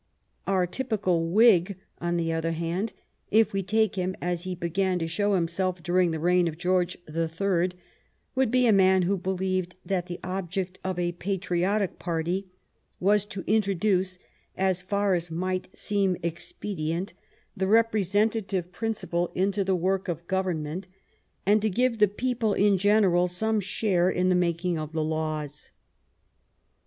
Our typical Whig, on the other hand, if we take him as he began to show himself during the reign of George the Third, would be a man who believed that the object of a patriotic party was to introduce, as far as might seem expedient, the representative principle into the work of government, and to give the people in general some share in the making of the laws.